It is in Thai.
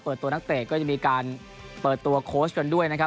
ตัวนักเตะก็จะมีการเปิดตัวโค้ชกันด้วยนะครับ